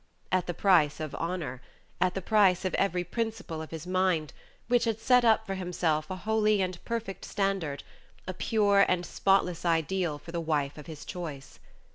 At the price of honor; at the price of every principle of his mind, which had set up for himself a holy and perfect standard a pure and spotless ideal for the wife of his choice.